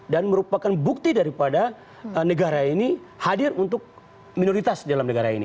dan merupakan bukti daripada negara ini hadir untuk minoritas dalam negara ini